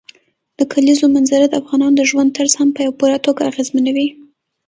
د کلیزو منظره د افغانانو د ژوند طرز هم په پوره توګه اغېزمنوي.